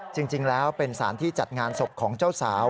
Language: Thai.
จริงแล้วเป็นสารที่จัดงานศพของเจ้าสาว